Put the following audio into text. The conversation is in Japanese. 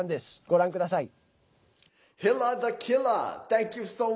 ご覧ください。